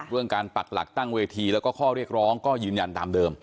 การปักหลักตั้งเวทีแล้วก็ข้อเรียกร้องก็ยืนยันตามเดิม